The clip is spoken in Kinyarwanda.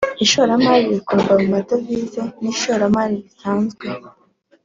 ishoramari rikorwa mu madevize n ishoramari risanzwe